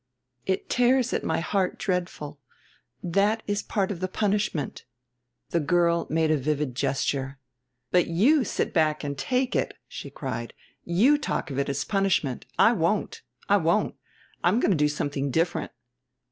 It tears at my heart dreadful. That is part of the punishment." The girl made a vivid gesture, "But you sit back and take it!" she cried. "You talk of it as punishment. I won't! I won't! I'm going to do something different."